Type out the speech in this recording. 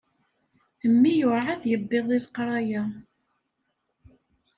Mmi ur ɛad yewwiḍ i leqraya.